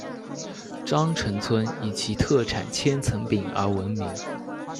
鄣城村以其特产千层饼而闻名。